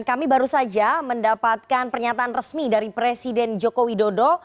kami baru saja mendapatkan pernyataan resmi dari presiden joko widodo